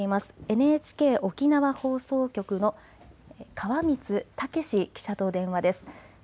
ＮＨＫ沖縄放送局の川満武記者と電話です。